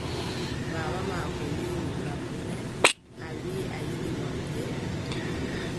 Baaba maako wii mo: ngam ɗume a wii a yiɗi wamnde?